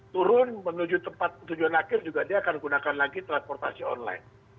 turun menuju tempat tujuan akhir juga dia akan gunakan lagi transportasi online